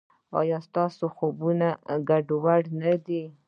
ایا ستاسو خوبونه ګډوډ نه دي؟